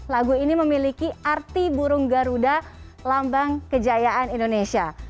lagu ini memiliki arti burung garuda lambang kejayaan indonesia